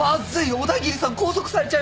小田切さん拘束されちゃいますよ。